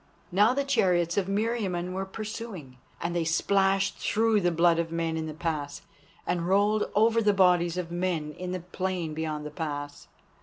Now the chariots of Meriamun were pursuing, and they splashed through the blood of men in the pass, and rolled over the bodies of men in the plain beyond the pass.